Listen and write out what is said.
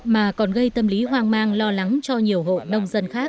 mà còn gây tâm lý hoang mang lo lắng cho nhiều hộ nông dân khác